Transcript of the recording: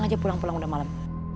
pulang aja pulang pulang udah malem